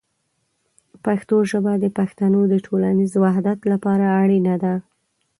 پښتو ژبه د پښتنو د ټولنیز وحدت لپاره اړینه ده.